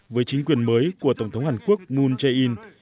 với chính quyền mới của tổng thống hàn quốc moon jae in